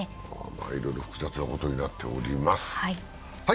いろいろ複雑なことになっています。